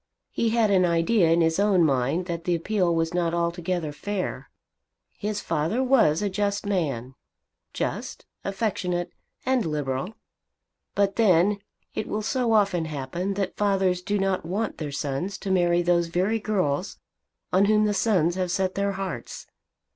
He had an idea in his own mind that the appeal was not altogether fair. His father was a just man, just, affectionate, and liberal. But then it will so often happen that fathers do not want their sons to marry those very girls on whom the sons have set their hearts.